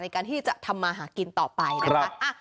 ในการที่จะทำมาหากินต่อไปนะคะ